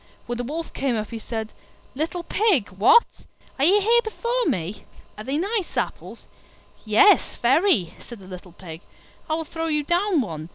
When the Wolf came up he said, "Little Pig, what! are you here before me? Are they nice apples?" "Yes, very," said the little Pig; "I will throw you down one."